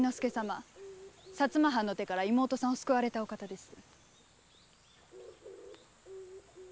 薩摩藩の手から妹さんを救われたお方です。